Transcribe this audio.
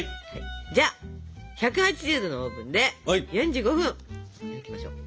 じゃあ１８０℃のオーブンで４５分焼きましょう。